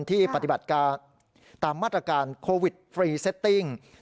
ปฏิบัติการตามมาตรการโควิดฟรีเซตติ้ง